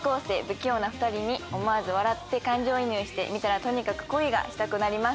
不器用な２人に思わず笑って感情移入して見たらとにかく恋がしたくなります。